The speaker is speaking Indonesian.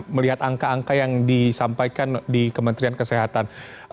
melihat angka angka yang disampaikan di kementerian kesehatan